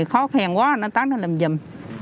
khó khèn quá nó tắt nó làm dùm